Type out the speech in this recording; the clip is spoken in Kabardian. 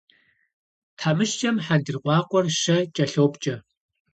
Тхьэмыщкӏэм хьэндыркъуакъуэр щэ кӏэлъопкӏэ.